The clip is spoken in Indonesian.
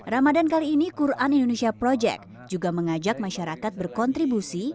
ramadan kali ini quran indonesia project juga mengajak masyarakat berkontribusi